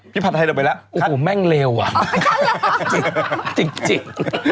พี่ผัดไทยเดินออกไปโอ้เพ้ยมั่งเลวจริงจริง